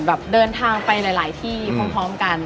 แบบเดินทางไปหลายที่พร้อมกัน